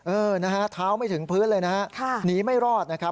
เออนะฮะเท้าไม่ถึงพื้นเลยนะฮะหนีไม่รอดนะครับ